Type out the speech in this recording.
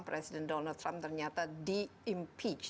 presiden donald trump ternyata di impeach